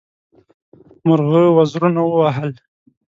مرغه وزرونه ووهل.